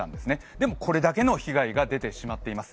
でも、これだけの被害が出てしまっています。